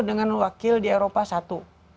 dengan wakil di eropa satu